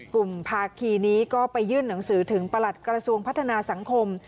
ภาคีนี้ก็ไปยื่นหนังสือถึงประหลัดกระทรวงพัฒนาสังคม